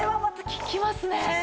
効きますね。